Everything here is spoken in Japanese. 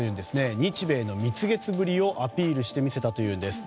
日米の蜜月ぶりをアピールしてみせたというんです。